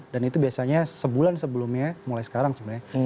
dan itu biasanya sebulan sebelumnya mulai sekarang sebenarnya